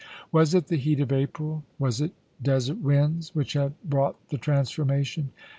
Was it the heat of April, with its desert winds, which had brought the transformation?